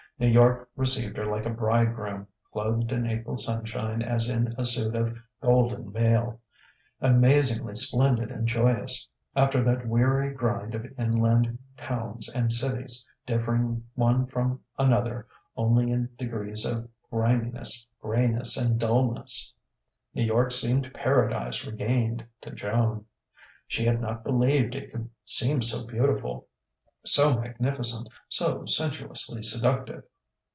New York received her like a bridegroom, clothed in April sunshine as in a suit of golden mail, amazingly splendid and joyous. After that weary grind of inland towns and cities, differing one from another only in degrees of griminess, greyness, and dullness, New York seemed Paradise Regained to Joan. She had not believed it could seem so beautiful, so magnificent, so sensuously seductive.